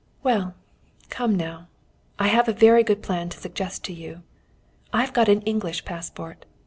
"Well, come now, I have a very good plan to suggest to you. I've got an English passport.